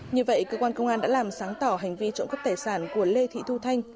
như vậy cơ quan công an đã làm sáng tỏ hành vi trộm cắp tài sản của lê thị thu thanh